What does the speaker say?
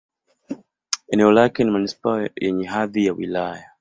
Eneo lake ni manisipaa yenye hadhi ya wilaya.